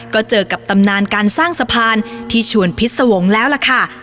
ก็เจอกับตำนานการสร้างสะพานที่ชวนพิษวงศ์แล้วล่ะค่ะ